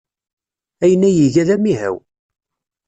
Ayen ay iga d amihaw.